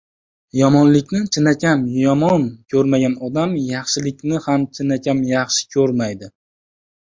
Yomonlikni chinakam yomon ko‘rmagan odam yaxshilikni ham chinakam yaxshi ko‘rmaydi.